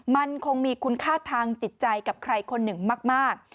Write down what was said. มันคงมีคุณค่าทางจิตใจกับใครคนหนึ่งมาก